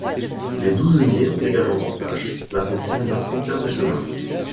Les douzeniers ont également pour tâche, la fonction d'inspecteur des chemins.